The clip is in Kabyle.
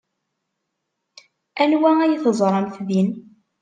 Anwa ay teẓramt din?